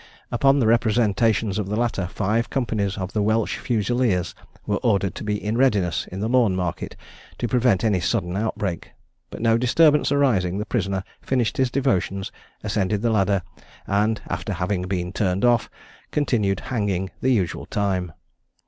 Upon the representations of the latter, five companies of the Welch Fusileers were ordered to be in readiness in the Lawn market to prevent any sudden outbreak; but no disturbance arising, the prisoner finished his devotions, ascended the ladder, and after having been turned off, continued hanging the usual time.